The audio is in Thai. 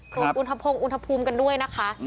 ปรูมอุทธภงอุทธภูมิกันด้วยนะคะ